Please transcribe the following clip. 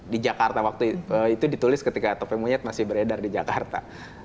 di jakarta waktu itu ditulis ketika topeng monyet masih beredar di jakarta